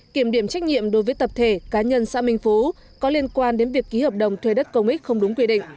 kiểm điểm trách nhiệm đối với tập thể cá nhân xã minh phú có liên quan đến việc ký hợp đồng thuê đất công ích không đúng quy định